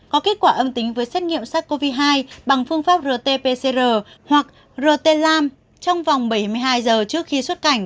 có kết quả âm tính với xét nghiệm sars cov hai bằng phương pháp rt pcr hoặc rt lam trong vòng bảy mươi hai giờ trước khi xuất cảnh